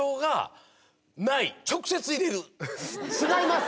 違います